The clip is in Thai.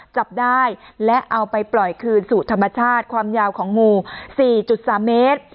จับได้และเอาไปปล่อยคืนสู่ธรรมชาติความยาวของงู๔๓เมตร